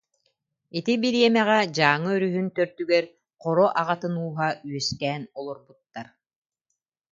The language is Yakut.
Ити бириэмэҕэ Дьааҥы өрүһүн төрдүгэр Хоро аҕатын ууһа үөскээн олорбуттар